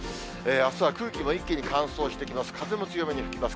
あすは空気も一気に乾燥してきます。